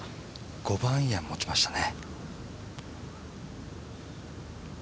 ５番アイアン持ちましたね。